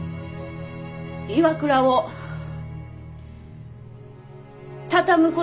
ＩＷＡＫＵＲＡを畳むことに決めました。